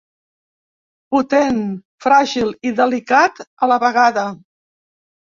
Potent, fràgil i delicat a la vegada.